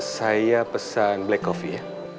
saya pesan black coffee ya